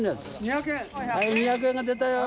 はい２００円が出たよ！